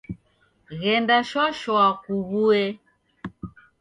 Ghenda shwa shwa kuwuye.